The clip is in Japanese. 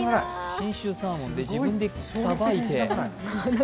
信州サーモンで自分でさばいて。